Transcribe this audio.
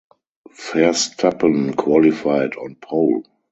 Verstappen qualified on pole.